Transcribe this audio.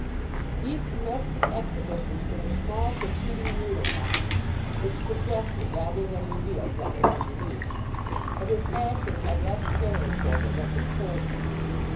These domestic exhibitions were the small protruding needlerocks which suggested rather than revealed what was underneath. But his passion had less terror for her than his coldness.